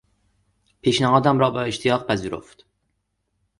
پیشنهادم را با اشتیاق پذیرفت.